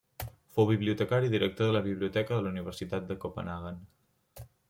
Fou bibliotecari i director de la biblioteca de la Universitat de Copenhaguen.